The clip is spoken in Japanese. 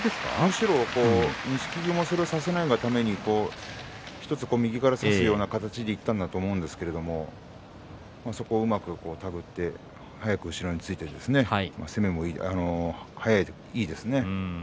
錦木も、それをさせないがために右から差すような形でいったんだと思いますがそこをうまく手繰って速く後ろについて攻めも速くていいですね。